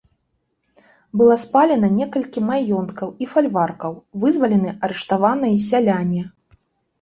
Было спалена некалькі маёнткаў і фальваркаў, вызвалены арыштаваныя сяляне.